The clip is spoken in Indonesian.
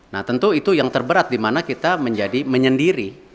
nah tentu itu yang terberat dimana kita menjadi menyendiri